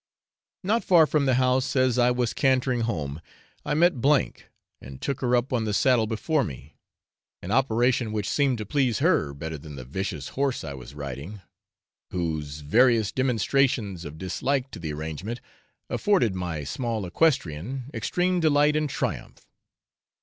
Not far from the house as I was cantering home, I met S , and took her up on the saddle before me, an operation which seemed to please her better than the vicious horse I was riding, whose various demonstrations of dislike to the arrangement afforded my small equestrian extreme delight and triumph.